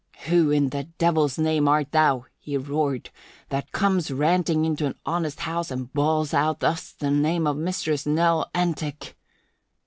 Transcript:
"Who in the Devil's name art thou," he roared, "that comes ranting into an honest house and bawls out thus the name of Mistress Nell Entick?"